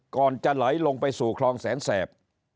ก่อนจะไหลลงไปสู่คลองแสนแสบ